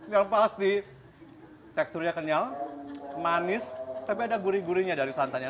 yang pasti teksturnya kenyal manis tapi ada gurih gurihnya dari santannya